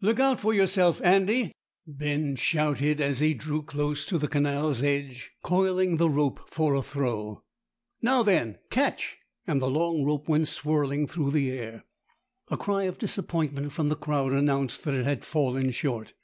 "Look out for yourself, Andy!" Ben shouted, as he drew close to the canal's edge, coiling the rope for a throw. "Now, then, catch!" and the long rope went swirling through the air. A cry of disappointment from the crowd announced that it had fallen short.